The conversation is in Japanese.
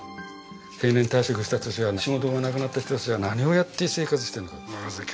定年退職した年は仕事がなくなった人たちは何をやって生活してるのか。